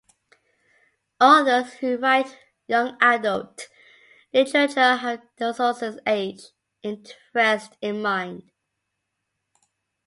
Authors who write young adult literature have an adolescent's age and interests in mind.